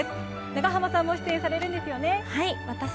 長濱さんもご出演されるんですよね。